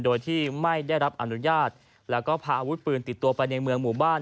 โดยที่ไม่ได้รับอนุญาตแล้วก็พาอาวุธปืนติดตัวไปในเมืองหมู่บ้าน